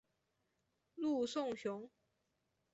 陆颂雄。